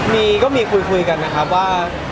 มีก็มีคุยกันนะครับว่า